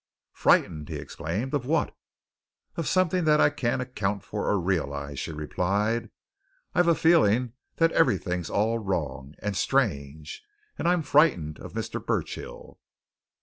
"Frightened?" he exclaimed. "Of what?" "Of something that I can't account for or realize," she replied. "I've a feeling that everything's all wrong and strange. And I'm frightened of Mr. Burchill."